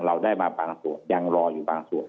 เราได้มาบางส่วนยังรออยู่บางส่วน